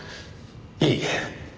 いいえ。